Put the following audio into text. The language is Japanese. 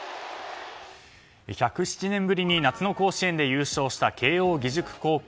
１０７年ぶりに夏の甲子園で優勝した慶應義塾高校。